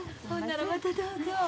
ほんならまたどうぞ。